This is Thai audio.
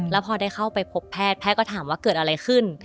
แล้วพอได้เข้าไปพบแพทย์แพทย์ก็ถามว่าเกิดอะไรขึ้น